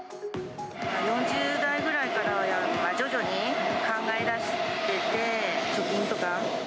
４０代ぐらいから徐々に考え出してて、貯金とか。